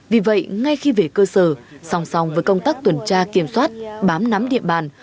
vì vậy ngay khi về cơ sở song song với công tác tuần tra kiểm soát bám nắm địa bàn